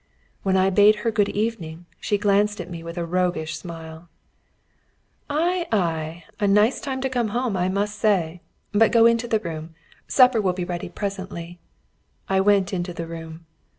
When I bade her good evening, she glanced at me with a roguish smile. "Ei, ei! A nice time to come home, I must say! But go into the room supper will be ready presently." I went into the room.